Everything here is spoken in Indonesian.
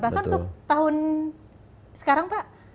bahkan untuk tahun sekarang pak